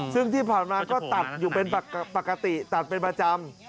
ซึ่งที่ผ่านมาก็ตัดอยู่เป็นปกติตัดเป็นประจำ